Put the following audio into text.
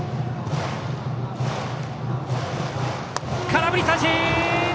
空振り三振！